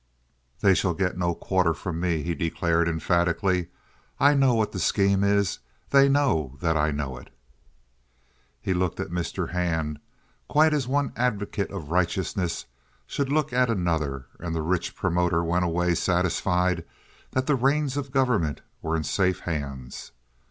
"They shall get no quarter from me!" he declared, emphatically. "I know what the scheme is. They know that I know it." He looked at Mr. Hand quite as one advocate of righteousness should look at another, and the rich promoter went away satisfied that the reins of government were in safe hands.